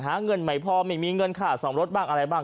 หาเงินไม่พอไม่มีเงินค่าซ่อมรถบ้างอะไรบ้าง